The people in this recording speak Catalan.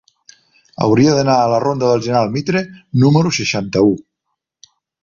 Hauria d'anar a la ronda del General Mitre número seixanta-u.